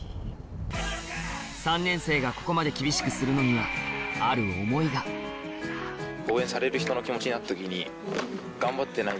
３年生がここまで厳しくするのにはある思いが確かに。